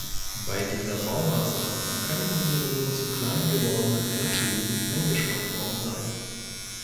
Bei dieser Baumaßnahme könnten ihre nun zu klein gewordenen Klappläden eingespart worden sein.